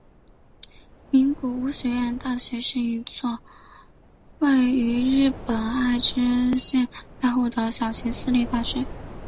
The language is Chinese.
名古屋学院大学是一所位于日本爱知县濑户市的小型私立大学。